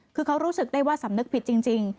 คือเขารู้สึกได้ว่าสำนึกผิดจริง